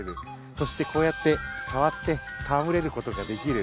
そして、こうやって触って戯れることができる。